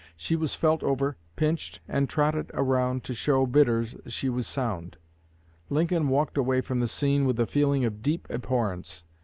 She was felt over, pinched, and trotted around to show bidders she was sound. Lincoln walked away from the scene with a feeling of deep abhorrence.